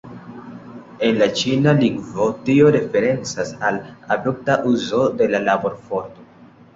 En la Ĉina lingvo, tio referencas al abrupta uzo de la laborforto.